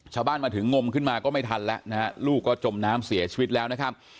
ชาวบ้านมาถึงงมขึ้นมาก็ไม่ทันแล้วนะฮะลูกก็จมน้ำเสียชีวิตแล้วนะครับ